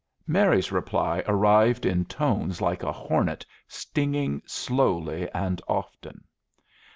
Mary's reply arrived in tones like a hornet stinging slowly and often.